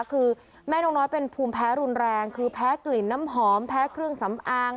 คือแม่นกน้อยเป็นภูมิแพ้รุนแรงคือแพ้กลิ่นน้ำหอมแพ้เครื่องสำอาง